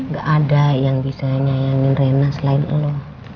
gak ada yang bisa nyayangin rina selain lo